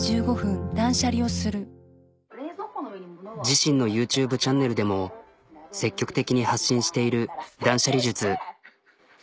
自身のＹｏｕＴｕｂｅチャンネルでも積極的に発信している断捨離術。